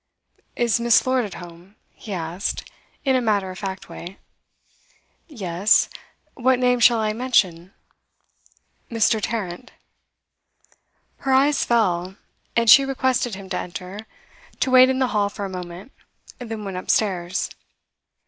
'Is Miss. Lord at home?' he asked, in a matter of fact way. 'Yes. What name shall I mention?' 'Mr. Tarrant.' Her eyes fell, and she requested him to enter, to wait in the hall for a moment; then went upstairs.